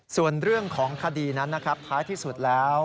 ส่วนเรื่องของคดีนั้นพลายที่สุดแล้ว